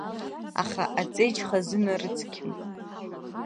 Аха аҵеџь хазына рыцқьам.